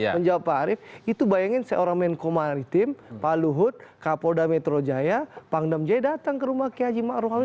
menjawab pak arief itu bayangin seorang menko maritim pak luhut kapolda metro jaya pangdam jaya datang ke rumah kehaji ma'rufi